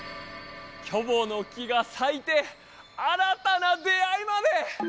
キョボの木がさいて新たな出会いまで！